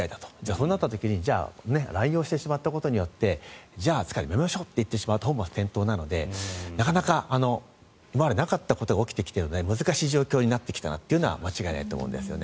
そうなった時に乱用してしまったことによって扱いをやめましょうというと本末転倒なのでなかなか今までなかったことが起きてきているので難しい状況になってきたのは間違いないと思うんですね。